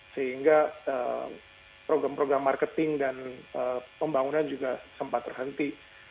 sehingga program program marketing dan pembangunan juga sempat terhenti